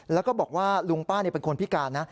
แล้วก็บอกว่าลุงป้าเป็นคนพิการนะ